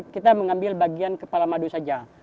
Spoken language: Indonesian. kita mengambil bagian kepala madu saja